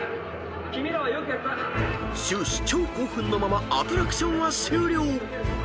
［終始超興奮のままアトラクションは終了］